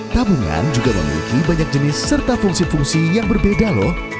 tabungan juga memiliki banyak jenis serta fungsi fungsi yang berbeda loh